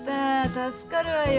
助かるわよ。